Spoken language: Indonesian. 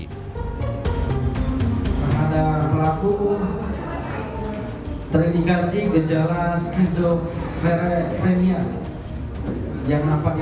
pemadak pelaku terindikasi kejalaan schizofrenia